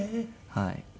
はい。